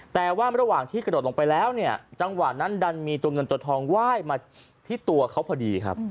แต่ว่าในระหว่างที่กระโดดลงไปแล้วจังหวัดนั้นดันมีเงินตัวทองไหว้มาที่ตัวเขาพอดี